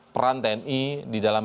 peran tni di dalam